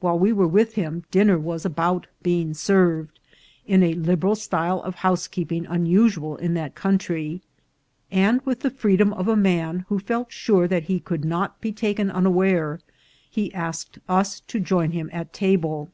While we were with him dinner was about being served, in a lib eral style of housekeeping unusual in that country, and, with the freedom of a man who felt sure that he could not be taken unaware, he asked us to join him at ta ble.